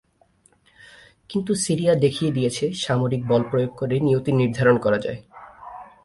কিন্তু সিরিয়া দেখিয়ে দিয়েছে, সামরিক বলপ্রয়োগ করে নিয়তি নির্ধারণ করা যায়।